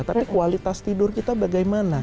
tapi kualitas tidur kita bagaimana